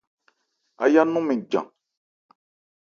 Áyá nɔn mɛn jan.